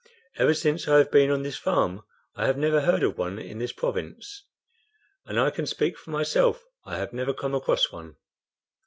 Ever since I have been on this farm, I have never heard of one in this Province." "And I can speak for myself. I have never come across one."